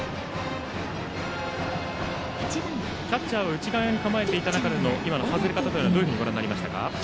キャッチャーは内側に構えていた中での今の外れ方はどうご覧になりましたか？